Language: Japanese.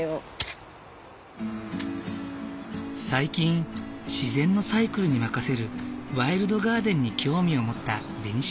最近自然のサイクルに任せるワイルドガーデンに興味を持ったベニシアさん。